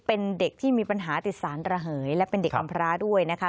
เป็นเด็กที่มีปัญหาติดสารระเหยและเป็นเด็กอำพราด้วยนะคะ